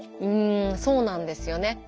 うんそうなんですよね。